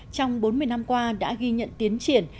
trong bốn mươi năm qua đã ghi nhận tiến triển